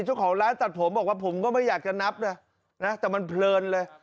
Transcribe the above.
เจ้าของร้านตัดผมบอกว่าผมก็ไม่อยากจะนับเลยนะแต่มันเพลินเลย